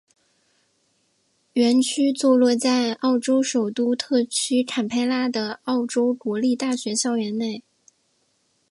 院区座落在澳洲首都特区坎培拉的澳洲国立大学校园内。